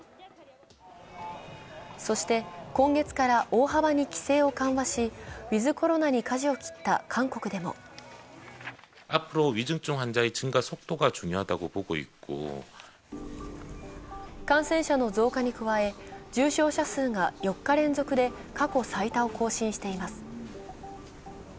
そして今月から大幅に規制を緩和し、ウィズ・コロナに舵を切った韓国でも感染者の増加に加え、重症者数が４日連続で過去最多を更新しています。